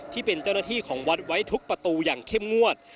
ที่เป็นเจ้าหน้าที่ของวัดไว้ทุกประตูอย่างเข้มงวด